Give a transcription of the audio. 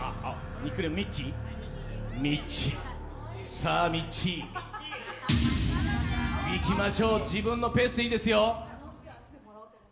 さあミッチー、いきましょう、自分のペースでいいですよ。